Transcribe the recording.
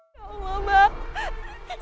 ya allah mbak